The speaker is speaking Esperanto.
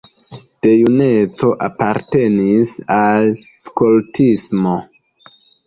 De juneco apartenis al skoltismo.